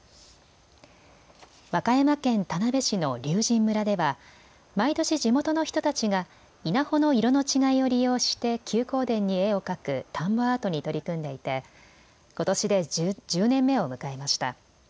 和歌山県田辺市の龍神村では毎年、地元の人たちが稲穂の色の違いを利用して休耕田に絵を描く田んぼアートに取り組んでいてことしで１０年目を迎えました。